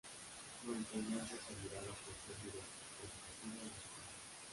Su enseñanza es admirada por ser directa, provocativa y radical.